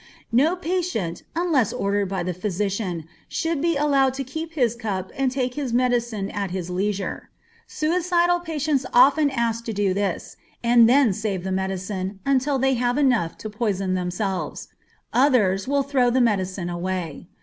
No patient, unless ordered by the physician, should be allowed to keep his cup and take his medicine at his leisure. Suicidal patients often ask to do this, and then save the medicine, until they have enough to poison themselves. Others will throw the medicine away.